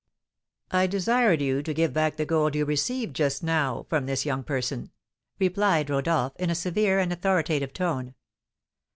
"I desired you to give back the gold you received just now from this young person," replied Rodolph, in a severe and authoritative tone.